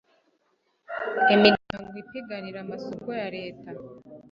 imiryango ipiganira amasoko ya leta